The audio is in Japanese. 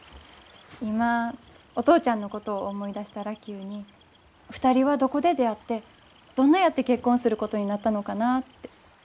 今お父ちゃんのことを思い出したら急に２人はどこで出会ってどんなやって結婚することになったのかなって。